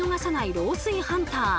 漏水ハンター。